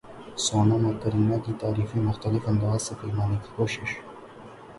سونم اور کرینہ کا تعریفاں مختلف انداز سے فلمانے کی کوشش